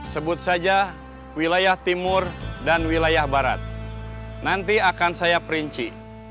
sebut saja wilayah timur dan wilayah barat nanti akan saya perinci